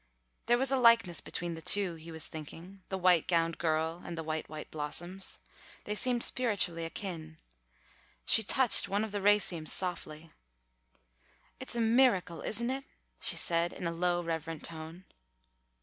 There was a likeness between the two, he was thinking, the white gowned girl and the white, white blossoms. They seemed spiritually akin. She touched one of the racemes softly. "It's a miracle, isn't it!" she said in a low, reverent tone.